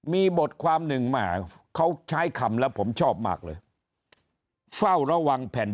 มีบทความหนึ่งแหมเขาใช้คำแล้วผมชอบมากเลยเฝ้าระวังแผ่น